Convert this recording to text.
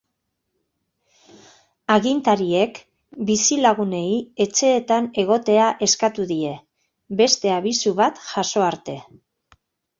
Agintariek bizilagunei etxeetan egotea eskatu die, beste abisu bat jaso arte.